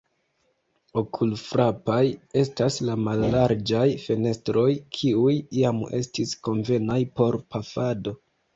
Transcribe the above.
Okulfrapaj estas la mallarĝaj fenestroj, kiuj iam estis konvenaj por pafado.